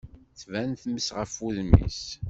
tban tmes ɣef wudem-is.